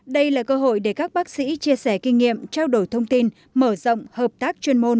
đây là cơ hội để các bác sĩ chia sẻ kinh nghiệm trao đổi thông tin mở rộng hợp tác chuyên môn